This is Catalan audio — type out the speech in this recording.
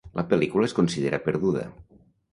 La pel·lícula es considera perduda.